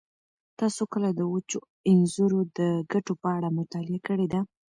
تاسو کله د وچو انځرونو د ګټو په اړه مطالعه کړې ده؟